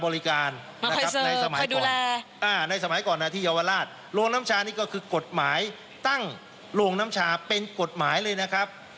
โรงน้ำชานี่ก็คือกฎหมายตั้งโรงน้ำชาเป็นกฎหมายเลยนะครับ